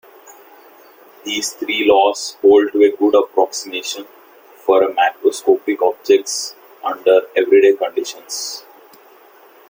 These three laws hold to a good approximation for macroscopic objects under everyday conditions.